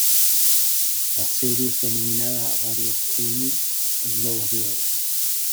La serie fue nominada a varios Emmy y Globos de Oro.